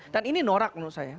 ini norak menurut saya